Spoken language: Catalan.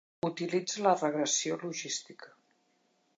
Utilitza la regressió logística.